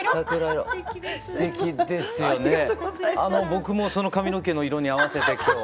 僕もその髪の毛の色に合わせて今日。